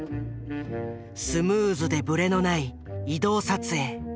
スムーズでブレのない移動撮影。